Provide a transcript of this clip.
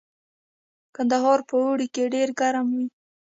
کندهار په اوړي کې ډیر ګرم وي